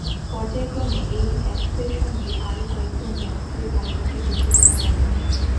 পর্যায়ক্রমে এই অ্যাপসের সঙ্গে আরও কয়েকজন জনপ্রিয় তারকাকে যুক্ত করা হবে।